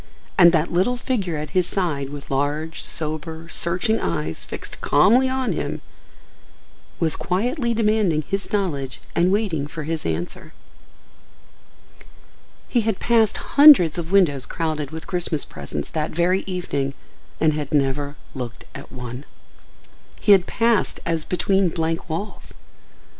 And that little figure at his side with large, sober, searching eyes fixed calmly on him was quietly demanding his knowledge and waiting for his answer. He had passed hundreds of windows crowded with Christmas presents that very evening and had never looked at one. He had passed as between blank walls.